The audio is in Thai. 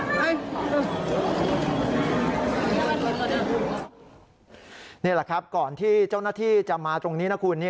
นี่แหละครับก่อนที่เจ้าหน้าที่จะมาตรงนี้นะคุณ